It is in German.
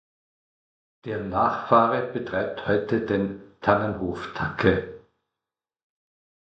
Deren Nachfahre betreibt heute den Tannenhof Tacke.